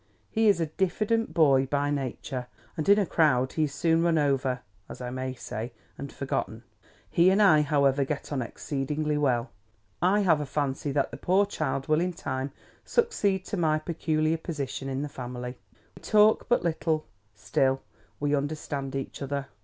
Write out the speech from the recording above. He is a diffident boy by nature; and in a crowd he is soon run over, as I may say, and forgotten. He and I, however, get on exceedingly well. I have a fancy that the poor child will in time succeed to my peculiar position in the family. We talk but little; still, we understand each other.